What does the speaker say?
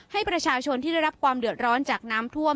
ให้ประชาชนที่ได้รับความเดือดร้อนจากน้ำท่วม